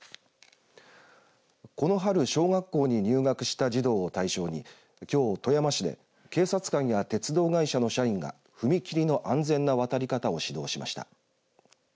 この春小学校に入学した児童を対象にきょう富山市で警察官や鉄道会社の社員が踏切の安全な渡り方を指導しました。